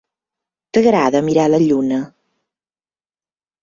T'agrada mirar la lluna?